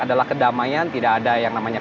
adalah kedamaian tidak ada yang namanya